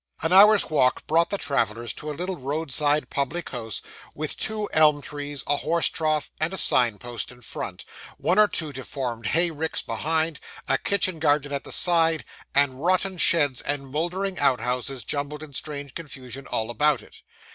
An hour's walk brought the travellers to a little road side public house, with two elm trees, a horse trough, and a signpost, in front; one or two deformed hay ricks behind, a kitchen garden at the side, and rotten sheds and mouldering outhouses jumbled in strange confusion all about it.